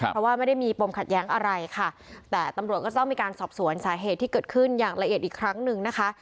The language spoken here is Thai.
เพราะว่าไม่ได้มีปมขัดแย้งอะไรค่ะแต่ตำรวจก็ต้องมีการสอบสวนสาเหตุที่เกิดขึ้นอย่างละเอียดอีกครั้งหนึ่งนะคะ